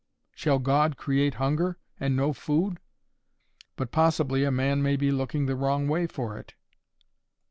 Shall God create hunger and no food? But possibly a man may be looking the wrong way for it.